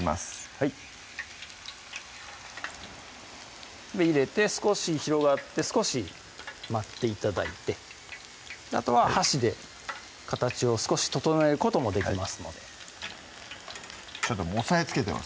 はい入れて少し広がって少し待って頂いてあとは箸で形を少し整えることもできますのでちょっと押さえつけてます